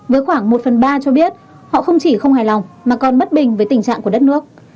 với khoảng một phần ba cho biết họ không chỉ không hài lòng mà còn bất bình với tình trạng của đất nước